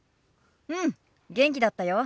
うん元気だったよ。